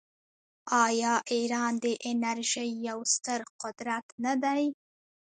آیا ایران د انرژۍ یو ستر قدرت نه دی؟